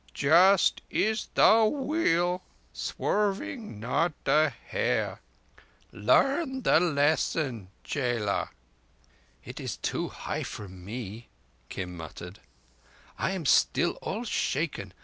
Just is the Wheel, swerving not a hair! Learn the lesson, chela." "It is too high for me," Kim muttered. "I am still all shaken.